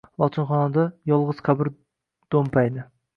Lochinxonada yolg‘iz qabr do‘mpaydi.